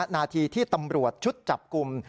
นาทีที่ตำรวจชุดจับกลุ่ม